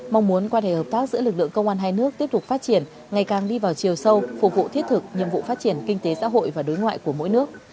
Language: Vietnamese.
mong muốn quan hệ hợp tác giữa lực lượng công an hai nước tiếp tục phát triển ngày càng đi vào chiều sâu phục vụ thiết thực nhiệm vụ phát triển kinh tế xã hội và đối ngoại của mỗi nước